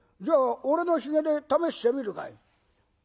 じゃあ俺のひげで試してみるかい？